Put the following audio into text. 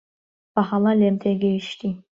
بەهەڵە لێم تێگەیشتی.